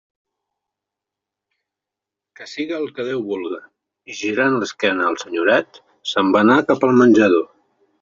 «Que siga el que Déu vulga»; i girant l'esquena al senyoret, se'n va anar cap al menjador.